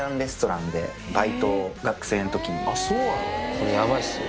これヤバいっすよ